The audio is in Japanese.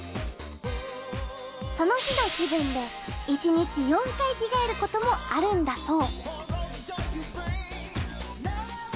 その日の気分で一日４回着替えることもあるんだそう。